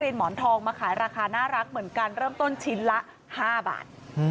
หมอนทองมาขายราคาน่ารักเหมือนกันเริ่มต้นชิ้นละ๕บาท